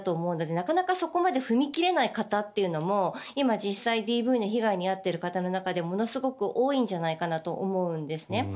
なかなかそこまで踏み切れない方というのも今、実際にＤＶの被害に遭っている中でもものすごく多いんじゃないかなと思うんですね。